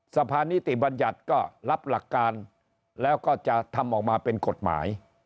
สภานิติบัญญัติก็รับหลักการแล้วก็จะทำออกมาเป็นกฎหมาย